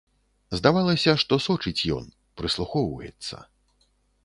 Здавалася, што сочыць ён, прыслухоўваецца.